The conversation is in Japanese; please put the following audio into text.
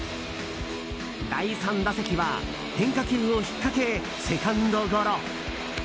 第３打席は変化球をひっかけセカンドゴロ。